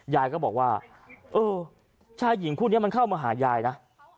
ยายก็บอกว่าเออชายหญิงคู่นี้มันเข้ามาหายายนะ